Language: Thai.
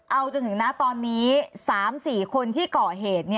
เอาจนถึงนะตอนนี้๓๔คนที่ก่อเหตุ